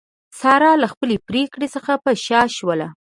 ساره له خپلې پرېکړې څخه په شا شوله.